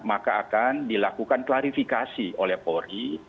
maka akan dilakukan klarifikasi oleh polri